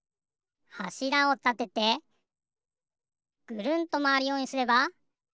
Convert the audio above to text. はしらをたててぐるんとまわるようにすれば。